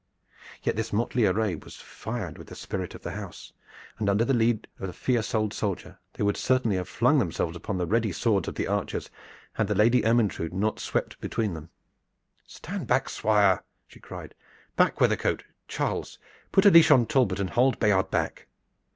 Yet this motley array was fired with the spirit of the house, and under the lead of the fierce old soldier they would certainly have flung themselves upon the ready swords of the archers, had the Lady Ermyntrude not swept between them: "Stand back, Swire!" she cried. "Back, Weathercote Charles, put a leash on Talbot, and hold Bayard back!"